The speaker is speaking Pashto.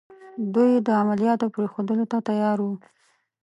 دوی د عملیاتو پرېښودلو ته تیار وو.